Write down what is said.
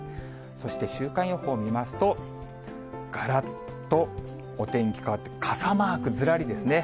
そして週間予報見ますと、がらっとお天気変わって、傘マークずらりですね。